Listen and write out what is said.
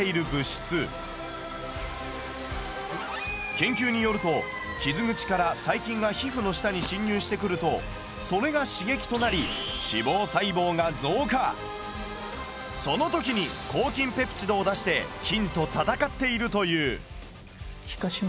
研究によると傷口から細菌が皮膚の下に侵入してくるとそれが刺激となりその時に抗菌ペプチドを出して菌と戦っているという。